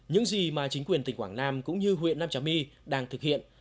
những gì mà chính quyền tỉnh quảng nam cũng như huyện nam trà my đang thực hiện